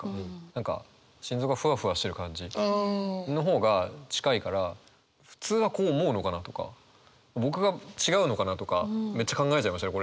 何か心臓がふわふわしてる感じの方が近いから普通はこう思うのかなとか僕が違うのかなとかめっちゃ考えちゃいましたね